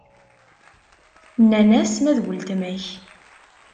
Nnan-as ma d uletma-k.